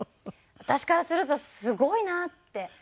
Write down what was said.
私からするとすごいなって。